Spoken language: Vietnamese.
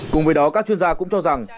cùng với đó các chuyên gia cũng cho rằng